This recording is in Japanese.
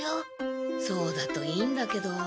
そうだといいんだけど。